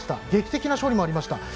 劇的な勝利もありました。